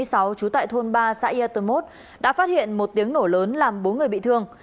trú tại thôn ba xã yatomos đã phát hiện một tiếng nổ lớn làm bốn người bị thương